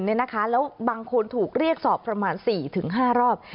แล้วบางคนถูกเรียกสอบประมาณ๔๕รอบ